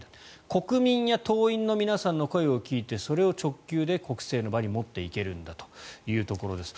国民や党員の皆さんの声を聞いてそれを直球で国政の場に持っていけるんだというところです。